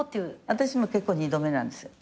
私も結婚二度目なんですよ。